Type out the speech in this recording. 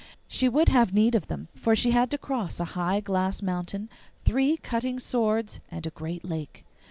She would have need of them, for she had to cross a high glass mountain, three cutting swords, and a great lake.